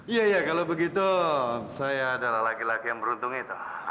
iya iya kalau begitu saya adalah laki laki yang beruntung itu